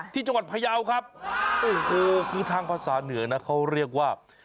ที่จังหวัดพยาวครับโอ้โหคือทางภาษาเหนือนะเขาเรียกว่า